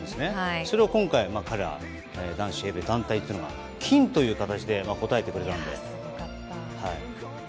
それを今回、彼ら男子エペ団体は金という形で応えてくれたので。